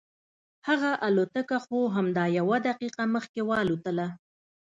هغه الوتکه خو همدا یوه دقیقه مخکې والوتله.